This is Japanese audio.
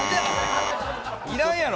いらんやろ！